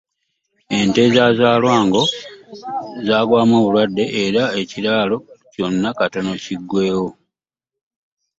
Ente za Zalwango zaagwamu obulwadde era ekiraalo khonna katono kiggweewo!